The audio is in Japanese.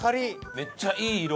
めっちゃいい色。